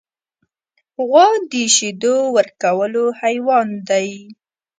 غوا د شیدو ورکولو حیوان دی.